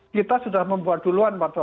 kita sudah membuat duluan